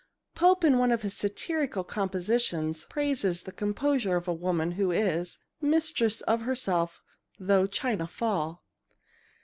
Pope in one of his satirical compositions praises the composure of a woman who is "Mistress of herself though china fall."